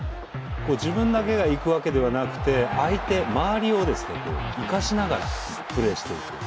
自分だけがいくわけではなくて相手周りを生かしながらプレーしていく。